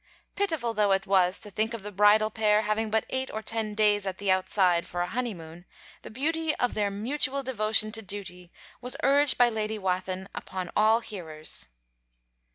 Pitiful though it was, to think of the bridal pair having but eight or ten days at the outside, for a honeymoon, the beauty of their 'mutual devotion to duty' was urged by Lady Wathin upon all hearers.